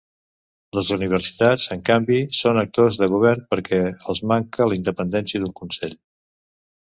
Les universitats, en canvi, són actors de govern perquè els manca la independència d'un Consell.